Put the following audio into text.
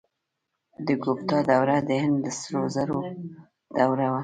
د ګوپتا دوره د هند د سرو زرو دوره وه.